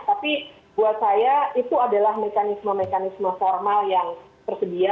tapi buat saya itu adalah mekanisme mekanisme formal yang tersedia